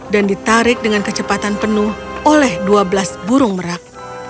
dan ditarik dengan kecepatan penuh oleh dua belas burung merah